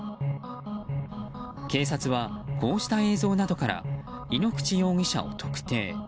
警察はこうした映像などから井ノ口容疑者を特定。